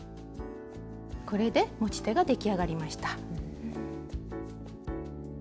これで持ち手が出来上がりました。